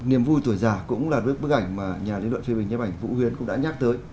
niềm vui tuổi già cũng là bức ảnh mà nhà liên lộn phim bình nhấp ảnh vũ huyến cũng đã nhắc tới